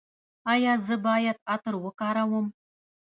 ایا زه باید عطر وکاروم؟